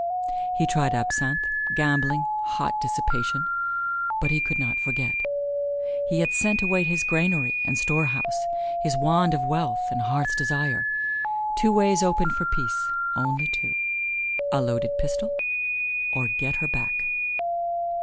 He tried absinthe, gambling, hot dissipation; but he could not forget. He had sent away his granary and storehouse; his wand of wealth and heart's desire. Two ways opened for peace, only two: a loaded pistol or get her back.